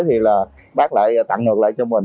thì là bác lại tặng được lại cho mình